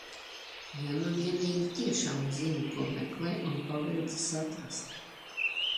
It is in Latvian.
Ja nu vienīgi tiešām zini ko meklē un paveicas atrast.